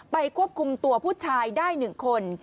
ไปควบคุมตัวผู้ชายได้หนึ่งคน